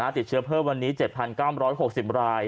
ติดเชื้อเพิ่มวันนี้๗๙๖๐ราย